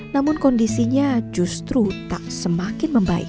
namun kondisinya justru tak semakin membaik